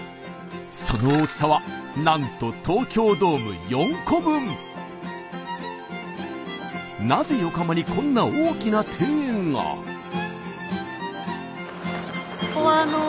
その大きさはなんとなぜ横浜にこんな大きな庭園が？うわ！